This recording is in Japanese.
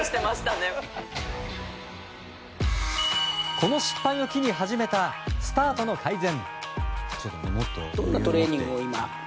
この失敗を機に始めたスタートの改善。